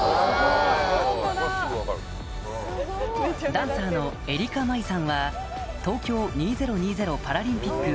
ダンサーのエリカマイさんは東京２０２０パラリンピック